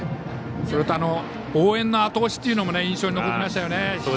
それと応援のあと押しというのも印象に残りましたね。